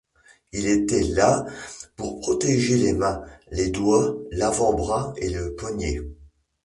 Ils étaient là pour protéger les mains, les doigts, l'avant bras et le poignet.